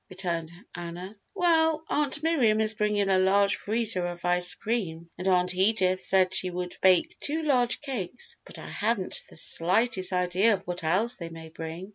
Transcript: returned Anna. "Well, Aunt Miriam is bringing a large freezer of ice cream and Aunt Edith said she would bake two large cakes, but I haven't the slightest idea of what else they may bring."